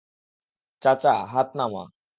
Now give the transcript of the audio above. চাচা --- হাত নামা।